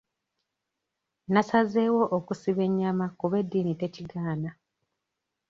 Nnasazeewo okusiba ennyama kuba eddiini tekigaana.